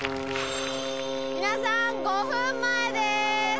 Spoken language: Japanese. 皆さん５分前です。